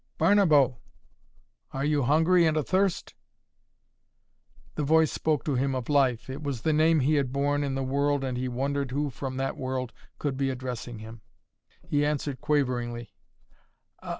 "Barnabo are you hungry and a thirst?" The voice spoke to him of life. It was the name he had borne in the world and he wondered who from that world could be addressing him. He answered quaveringly.